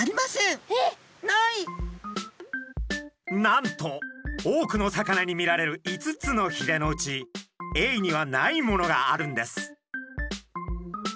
なんと多くの魚に見られる５つのひれのうちエイにはないものがあるんです！